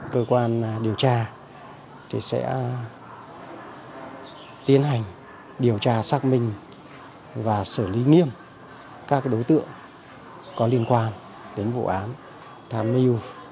cơ quan điều tra sẽ tiến hành điều tra xác minh và xử lý nghiêm các đối tượng có liên quan đến vụ án tham mưu